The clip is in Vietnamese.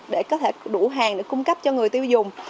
để có thể đủ hàng để cung cấp cho người tiêu dùng